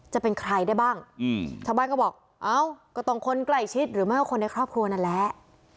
จะเป็นใครได้บ้างชาวบ้านก็บอกเอ้าก็ต้องคนใกล้ชิดหรือไม่ก็คนในครอบครัวนั่นแหละ